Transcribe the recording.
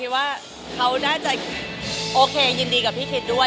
ว่าเขาน่าจะโอเคยินดีกับพี่คิดด้วย